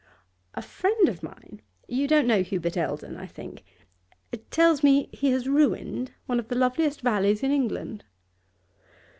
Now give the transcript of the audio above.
'A friend of mine you don't know Hubert Eldon, I think? tells me he has ruined one of the loveliest valleys in England.